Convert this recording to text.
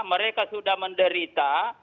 mereka sudah menderita